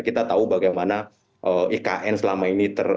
kita tahu bagaimana ikn selama ini